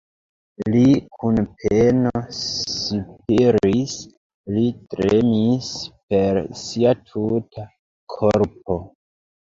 Li kun peno spiris, li tremis per sia tuta korpo.